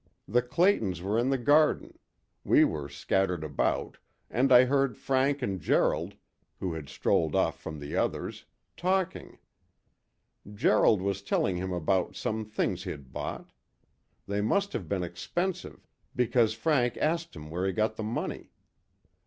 The Claytons were in the garden; we were scattered about, and I heard Frank and Gerald, who had strolled off from the others, talking. Gerald was telling him about some things he'd bought; they must have been expensive, because Frank asked him where he got the money.